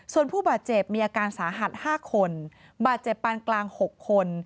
ส่วนผู้บาดเจ็บมีอาการสาหัส๕คนบาดเจ็บปานกลาง๖คน